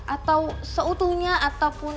atau seutuhnya ataupun